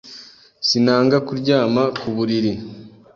Sinanga kuryama ku buriri.